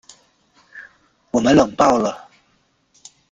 我们冷爆了